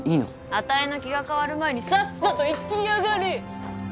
あたいの気が変わる前にさっさと行きやがれ！